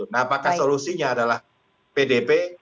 nah apakah solusinya adalah pdp